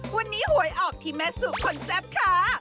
วันนี้หวยออกที่แม่สู่คนแซ่บค่ะ